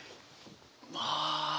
まあ。